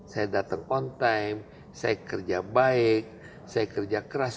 saya datang on time saya kerja baik saya kerja keras